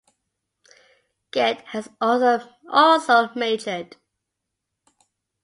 Ged has also matured.